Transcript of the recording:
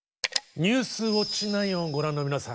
「ニュースウオッチ９」をご覧の皆さん